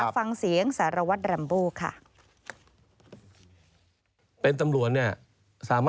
ฟังเสียงสารวัตรแรมโบค่ะ